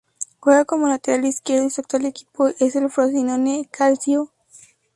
Juega como lateral izquierdo, y su actual equipo es el Frosinone Calcio.